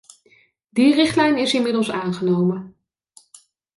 Die richtlijn is inmiddels aangenomen.